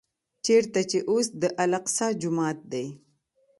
چېرته چې اوس د الاقصی جومات دی.